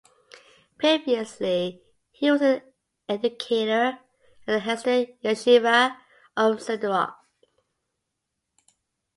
Previously he was an educator at the Hesder Yeshiva of Sderot.